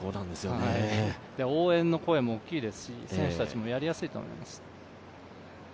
応援の声も大きいですし、選手たちもやりやすいと思います。